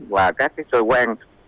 và các cái sơ quan